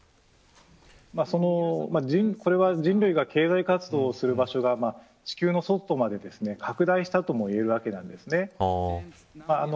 これは人類が経済活動をする場所が地球の外まで拡大したともいえるわけです。